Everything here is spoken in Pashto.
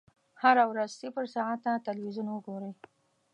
هره ورځ صفر ساعته ټلویزیون وګورئ.